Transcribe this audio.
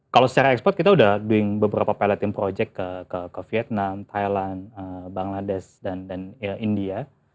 kalau secara ekspor kita sudah doing beberapa piloting project ke vietnam thailand bangladesh dan india